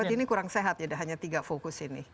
ini kurang sehat ya hanya tiga fokus ini